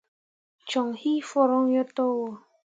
Coŋ hii foroŋ yo to wo.